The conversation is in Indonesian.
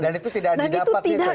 dan itu tidak didapat